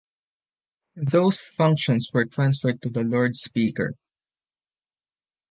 Those functions were transferred to the Lord Speaker.